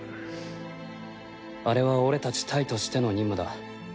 あれは俺たち隊としての任務だ。